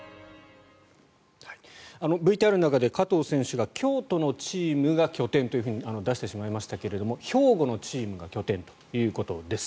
ＶＴＲの中で加藤選手が京都のチームが拠点と出してしまいましたが兵庫のチームが拠点ということです。